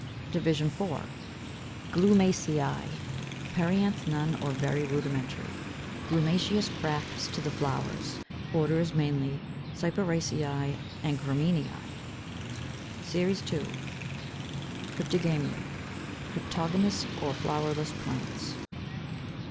Division IV. GLUMACEÆ. Perianth none, or very rudimentary: glumaceous bracts to the flowers. Orders mainly Cyperaceæ and Gramineæ. SERIES II. CRYPTOGAMIA: CRYPTOGAMOUS OR FLOWERLESS PLANTS.